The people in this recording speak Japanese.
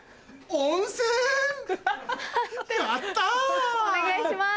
お願いします。